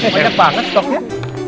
banyak banget stoknya